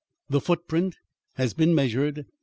"The footprint has been measured.